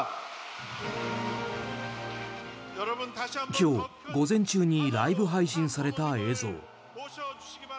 今日午前中にライブ配信された映像。